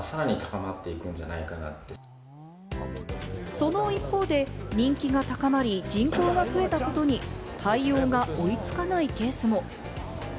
その一方で、人気が高まり、人口が増えたことに対応が追いつかないケースも。